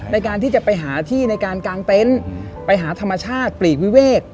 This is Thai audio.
ในการที่จะไปหาที่ในการกางเต็นต์ไปหาธรรมชาติปลีกวิเวก